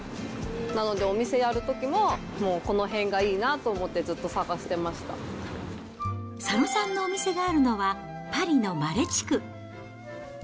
なので、お店やるときももうこの辺がいいなと思って、ずっと探してました佐野さんのお店があるのは、パリのマレ地区。